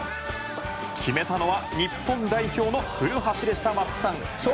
決めたのは日本代表の古橋でした松木さん。